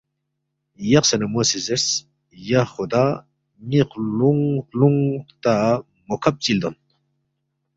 یقسے نہ مو سی زیرس ’یا خدا ن٘ی خلُونگ خلُونگ ہرتا مُوکھب چی لدون